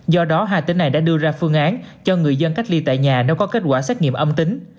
do đó hai tỉnh này đã đưa ra phương án cho người dân cách ly tại nhà nếu có kết quả xét nghiệm âm tính